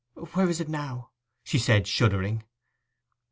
'Where is it now?' she said, shuddering.